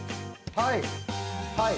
はい。